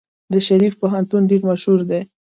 د شریف پوهنتون ډیر مشهور دی.